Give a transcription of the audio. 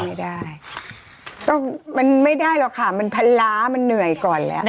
ไม่ได้ต้องมันไม่ได้หรอกค่ะมันพันล้ามันเหนื่อยก่อนแล้ว